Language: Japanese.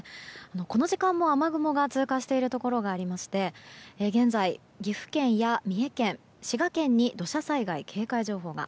この時間も雨雲が通過しているところがありまして現在、岐阜県や三重県、滋賀県に土砂災害警戒情報が。